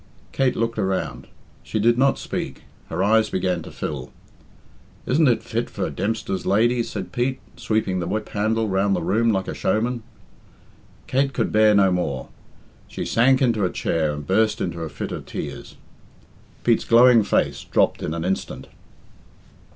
Kate looked around; she did not speak; her eyes began to fill. "Isn't it fit for a Dempster's lady?" said Pete, sweeping the whip handle round the room like a showman. Kate could bear no more. She sank into a chair and burst into a fit of tears. Pete's glowing face dropped in an instant.